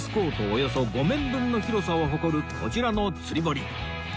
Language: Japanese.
およそ５面分の広さを誇るこちらの釣り堀